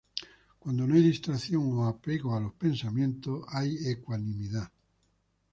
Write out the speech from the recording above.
Cuando no hay distracción o apego a los pensamientos, hay ecuanimidad.